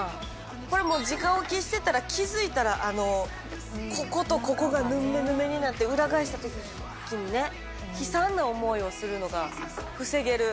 これもうじか置きしてたら、気付いたら、こことここがぬめぬめになって、裏返したときにね、悲惨な思いをするのが防げる。